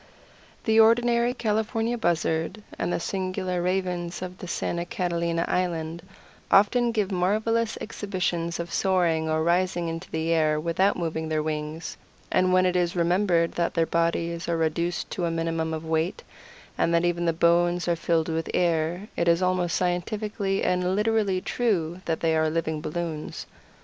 The ordinary California Buzzard and the singular Ravens of Santa Catalina Island often give marvelous exhibitions of soaring or rising into the air without moving their wings, and when it is remembered that their bodies are reduced to a minimum of weight, and that even the bones are filled with air, it is almost scientifically and literally true that they are living balloons.